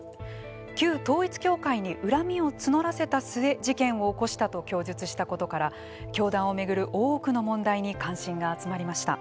旧統一教会に恨みを募らせた末事件を起こしたと供述したことから教団を巡る多くの問題に関心が集まりました。